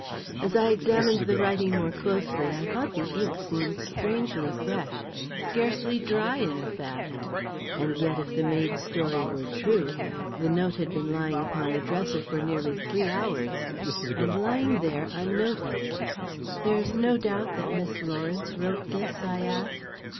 As I examined the writing more closely, I thought the ink seemed strangely fresh scarcely dry, in fact; and yet, if the maid's story were true, the note had been lying upon the dresser for nearly three hours. And lying there unnoticed! "There's no doubt that Miss Lawrence wrote this?" I asked.